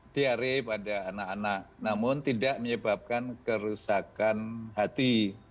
diare pada anak anak namun tidak menyebabkan kerusakan hati